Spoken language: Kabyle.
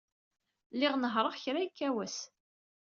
Lliɣ nehhṛeɣ kra yekka wass.